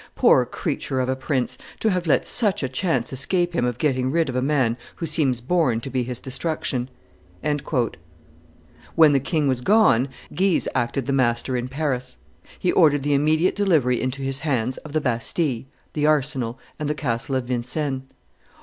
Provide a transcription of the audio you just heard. poor creature of a prince, to have let such a chance escape him of getting rid of a man who seems born to be his destruction!" [De Thou, t. x. p. 266.] When the king was gone, Guise acted the master in Paris. He ordered the immediate delivery into his hands of the Bastille, the arsenal, and the castle of Vincennes.